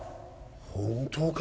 本当か？